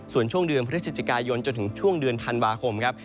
ส่วนช่วงเดือนพฤศจิกายนจนถึงช่วงเดือนธันวาคมครับ